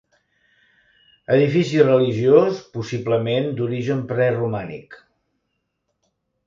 Edifici religiós possiblement d'origen preromànic.